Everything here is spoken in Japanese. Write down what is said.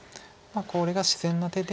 これが自然な手で。